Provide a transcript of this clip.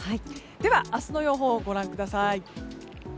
では、明日の予報をご覧ください。